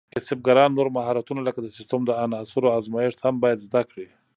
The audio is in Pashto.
کسبګران نور مهارتونه لکه د سیسټم د عناصرو ازمېښت هم باید زده کړي.